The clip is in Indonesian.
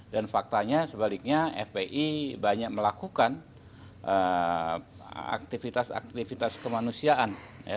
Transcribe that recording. dan faktanya sebaliknya fbi banyak melakukan aktivitas aktivitas kemanusiaan